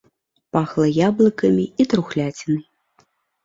Пахла яблыкамі і трухляцінай.